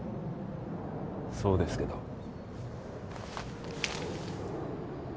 そうですけど。